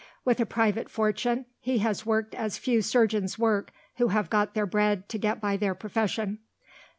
With a private fortune, he has worked as few surgeons work who have their bread to get by their profession.